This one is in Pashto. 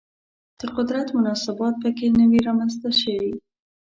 د قدرت مناسبات په کې نه وي رامنځته شوي